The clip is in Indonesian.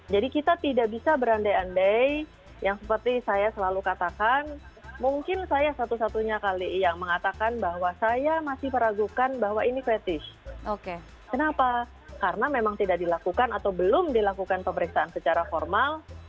jadi kita tidak bisa berande ande yang seperti saya selalu katakan mungkin saya satu satunya kali yang mengatakan bahwa saya masih peragukan bahwa ini fetish oke kenapa karena memang tidak dilakukan atau belum dilakukan pemeriksaan secara formal